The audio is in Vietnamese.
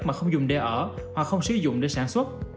mà không dùng để ở hoặc không sử dụng để sản xuất